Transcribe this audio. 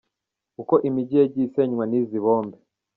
Uko imijyi yagiye isenywa n’izi bombe.